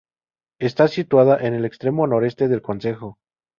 Está situada en el extremo noreste del concejo.